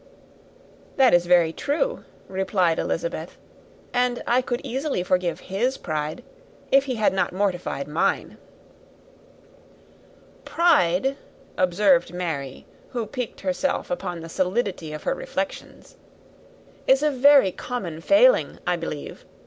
"That is very true," replied Elizabeth, "and I could easily forgive his pride, if he had not mortified mine." "Pride," observed Mary, who piqued herself upon the solidity of her reflections, "is a very common failing, I believe.